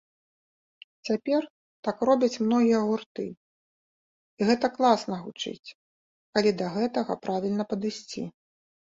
Цяпер так робяць многія гурты, і гэта класна гучыць, калі да гэтага правільна падысці.